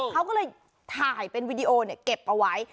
เขาก็เลยถ่ายเป็นวีดีโอเก็บเอาไว้